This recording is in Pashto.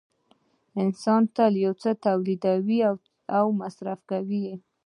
انسان تل یو څه تولید او مصرف کوي